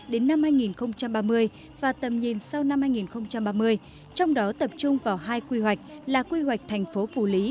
đến năm hai nghìn ba mươi và tầm nhìn sau năm hai nghìn ba mươi trong đó tập trung vào hai quy hoạch là quy hoạch thành phố phủ lý